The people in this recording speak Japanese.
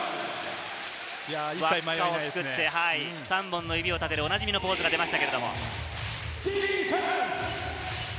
３本の指を立てる、おなじみのポーズが出ました。